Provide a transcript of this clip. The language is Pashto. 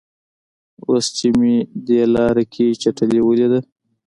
اوس چې مې دې لاره کې چټلي ولیده.